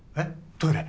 トイレ。